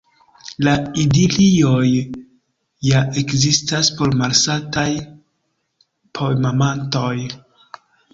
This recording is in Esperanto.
La idilioj ja ekzistas por malsataj poemamantoj.